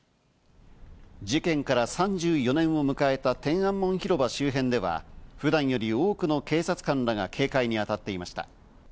事件から３４年を迎えた天安門広場周辺では、普段より多くの警察官らが警戒にあたっていました。